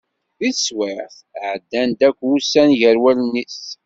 Deg teswiɛt, ɛeddan-d akk wussan gar wallen-is.